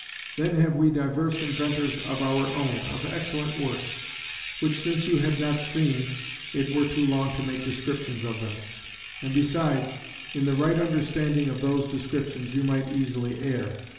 Then have we divers inventors of our own, of excellent works; which since you have not seen, it were too long to make descriptions of them; and besides, in the right understanding of those descriptions you might easily err.